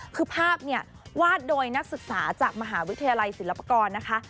คือภาพเนี่ยวาดโดยนักศึกษาจากมหาวิทยาลัยศิลปากรนะคะ